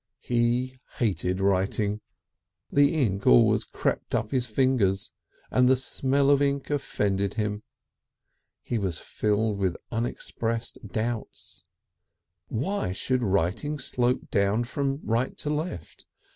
He hated writing; the ink always crept up his fingers and the smell of ink offended him. And he was filled with unexpressed doubts. Why should writing slope down from right to left?